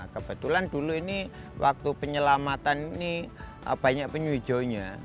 kebetulan dulu ini waktu penyelamatan ini banyak penyu hijaunya